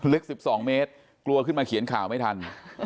ลึก๑๒เมตรกลัวขึ้นมาเขียนข่าวไม่ทัน